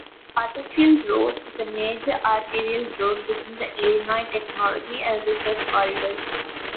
Butterfield Road is a major arterial road within the Illinois Technology and Research Corridor.